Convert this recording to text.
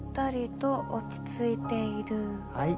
はい。